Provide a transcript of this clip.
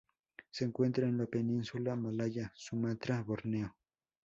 Se encuentra en la península malaya, Sumatra, Borneo.